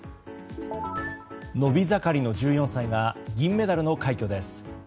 伸び盛りの１４歳が銀メダルの快挙です。